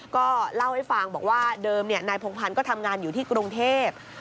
ก็เล่าให้ฟังบอกว่าเดิมนายพงพันธ์ก็ทำงานอยู่ที่กรุงเทพ